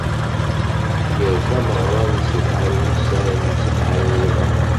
Gan tameɣra n sebɛa n wusan d sebɛa n wuḍan.